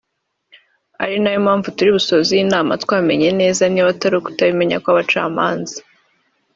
ari nayo mpamvu turi busoze iyi nama twamenye neza niba ari ukutabimenya kw’abacamanza